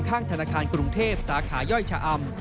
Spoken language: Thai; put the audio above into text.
ข้างธนาคารกรุงเทพสาขาย่อยชะอำ